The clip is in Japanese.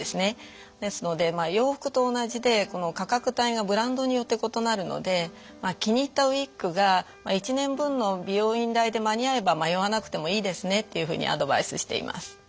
ですので洋服と同じでこの価格帯がブランドによって異なるので気に入ったウイッグが１年分の美容院代で間に合えば迷わなくてもいいですねっていうふうにアドバイスしています。